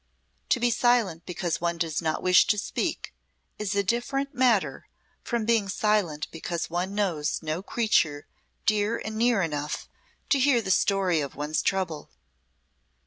To be silent because one does not wish to speak is a different matter from being silent because one knows no creature dear and near enough to hear the story of one's trouble.